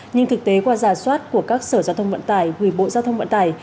nhưng thực tế qua giả soát của các sở giao thông vận tải hủy bộ giao thông vận tải